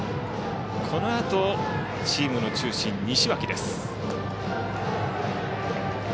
このあとチームの中心、西脇です。